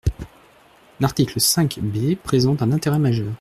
L’article cinq B présente un intérêt majeur.